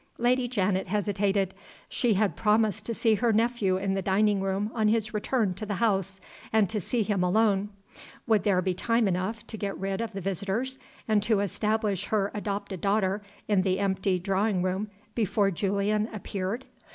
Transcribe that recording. Lady Janet hesitated. She had promised to see her nephew in the dining room on his return to the house and to see him alone. Would there be time enough to get rid of the visitors and to establish her adopted daughter in the empty drawing room before Julian appeared?